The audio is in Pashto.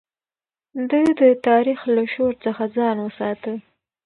ده د تاريخ له شور څخه ځان وساته.